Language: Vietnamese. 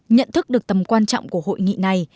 nhận thức được tầm quan trọng của hội nghị này